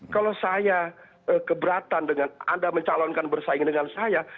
kalau saya keberatan dengan anda mencalonkan bersaing dengan saya